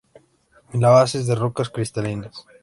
La base es de rocas cristalinas.